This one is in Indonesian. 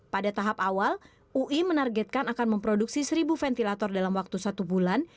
pada tahap awal ui menargetkan akan memproduksi seribu ventilator dalam waktu satu bulan